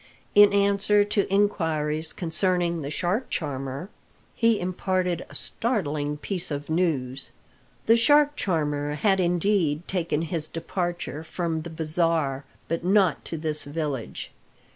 In answer to inquiries concerning the shark charmer, he imparted a startling piece of news. The shark charmer had indeed taken his departure from the bazaar, but not to this village.